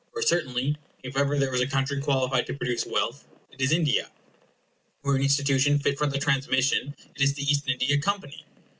For certainly, if ever there was a country qualified to produce wealth, it is India; or an institution fit for the transmission, it is the East India Company.